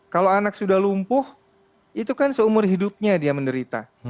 kalau anak sudah lumpuh itu kan seumur hidupnya dia menderita